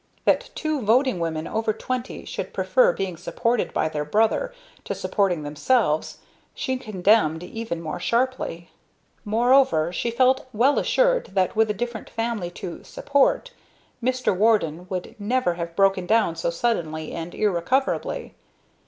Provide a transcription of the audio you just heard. That two voting women over twenty should prefer being supported by their brother to supporting themselves, she condemned even more sharply. Moreover, she felt well assured that with a different family to "support," Mr. Warden would never have broken down so suddenly and irrecoverably.